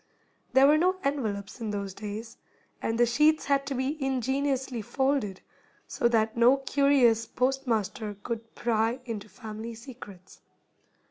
There were no envelopes in those days, and the sheets had to be ingeniously folded, so that no curious postmaster could pry into family secrets.